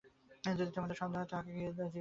যদি তোমাদের সন্দেহ হয় তাঁহাকে গিয়া জিজ্ঞাসা কর।